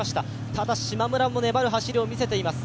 ただ、しまむらも粘る走りを見せています。